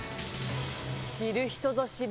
知る人ぞ知る、